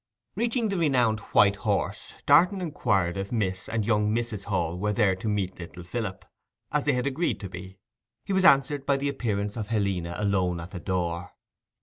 Reaching the renowned 'White Horse,' Darton inquired if Miss and young Mrs. Hall were there to meet little Philip (as they had agreed to be). He was answered by the appearance of Helena alone at the door.